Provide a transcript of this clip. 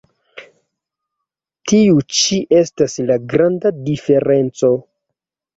Tiu ĉi estas la granda diferenco.